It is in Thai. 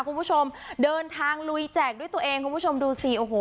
คุณผู้ชมเดินทางลุยแจกด้วยตัวเองคุณผู้ชมดูสิโอ้โห